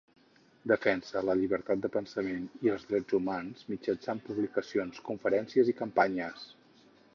Defensa la llibertat de pensament i els drets humans mitjançant publicacions, conferències i campanyes.